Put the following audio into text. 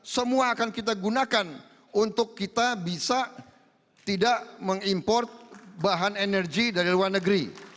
semua akan kita gunakan untuk kita bisa tidak mengimport bahan energi dari luar negeri